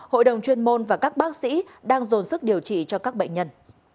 hội đồng chuyên môn và các bác sĩ đang dồn sức điều trị cho các bệnh nhân